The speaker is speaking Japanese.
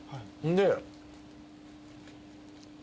で。